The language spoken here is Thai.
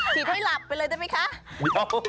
ฉีดให้หลับไปเลยได้ไหมคะ